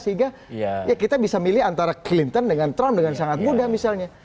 sehingga ya kita bisa milih antara clinton dengan trump dengan sangat mudah misalnya